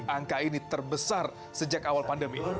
angka ini terbesar sejak awal pandemi